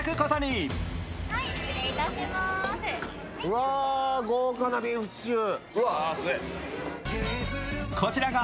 わー、豪華なビーフシチュー。